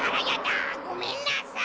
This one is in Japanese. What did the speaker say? ごめんなさい。